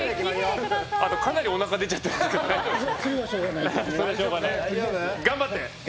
かなりおなか出ちゃってる。頑張って！